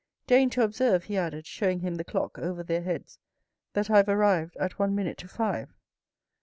Deign to observe," he added, showing him the clock over their heads, " that I have arrived at one minute to five."